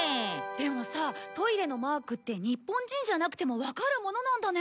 でもさトイレのマークって日本人じゃなくてもわかるものなんだね。